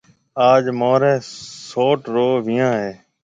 آج مهاريَ سئوٽ رو ويهان هيَ۔